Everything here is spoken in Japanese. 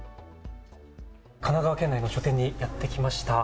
神奈川県内の書店にやって来ました。